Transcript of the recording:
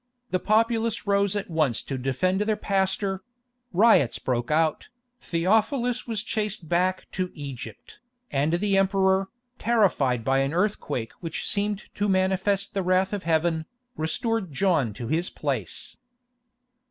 The populace rose at once to defend their pastor; riots broke out, Theodosius was chased back to Egypt, and the Emperor, terrified by an earthquake which seemed to manifest the wrath of heaven, restored John to his place.